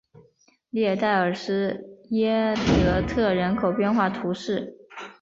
列代尔施耶德特人口变化图示